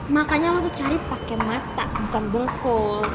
makanya lo tuh cari pake mata bukan bengkul